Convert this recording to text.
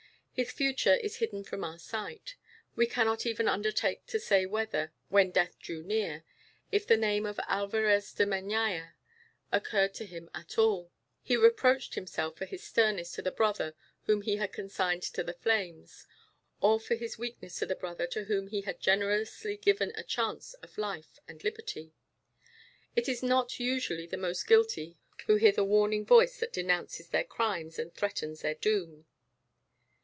His future is hidden from our sight. We cannot even undertake to say whether, when death drew near, if the name of Alvarez de Meñaya occurred to him at all, he reproached himself for his sternness to the brother whom he had consigned to the flames, or for his weakness to the brother to whom he had generously given a chance of life and liberty. It is not usually the most guilty who hear the warning voice that denounces their crimes and threatens their doom.